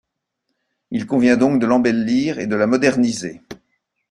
Il convient donc de l'embellir et de la moderniser.